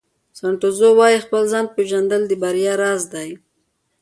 سن ټزو وایي خپل ځان پېژندل د بریا راز دی.